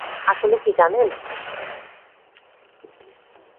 আসলে কী জানেন?